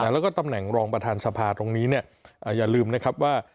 แล้วก็ตำแหน่งรองประธานสภาตรงนี้อย่าลืมนะครับว่า